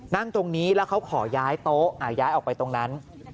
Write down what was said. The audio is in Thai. นั่งตรงนี้แล้วเขาขอย้ายโต๊ะย้ายออกไปตรงนั้น